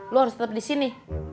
lu harus tetep disini